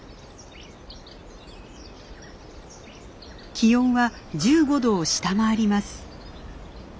気温は１５度を下回ります。